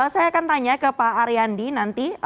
saya akan tanya ke pak ariandin nanti